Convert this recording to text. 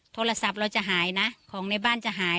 โทรศัพท์เราจะหายนะของในบ้านจะหาย